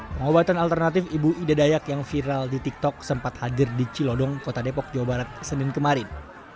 pengobatan alternatif ibu ida dayak yang viral di tiktok sempat hadir di cilodong kota depok jawa barat senin kemarin